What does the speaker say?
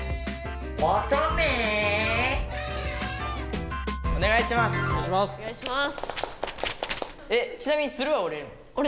お願いします！